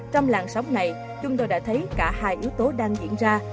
trong làn sóc này chúng tôi đã thấy cả hai yếu tố đang diễn ra